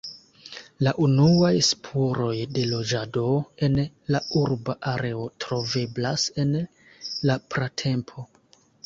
La unuaj spuroj de loĝado en la urba areo troveblas en la pratempo.